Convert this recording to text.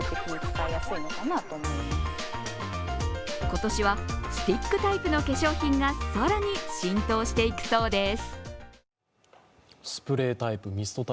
今年はスティックタイプの化粧品が更に浸透していくそうです。